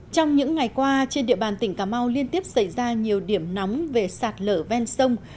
trong những ngày qua trên địa bàn tỉnh cà mau liên tiếp xảy ra nhiều điểm nóng về sạt lở ven sông